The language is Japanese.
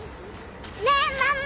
ねえママ！